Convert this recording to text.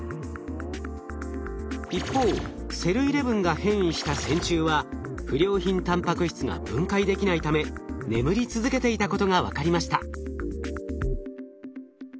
一方ｓｅｌー１１が変異した線虫は不良品タンパク質が分解できないため眠り続けていたことが分かりました。